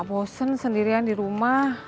bosen sendirian di rumah